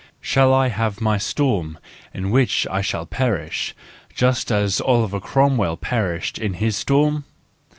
Shall I have my storm in which I shall perish, just as Oliver Cromwell perished in his storm